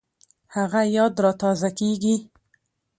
هغه یاد را تازه کېږي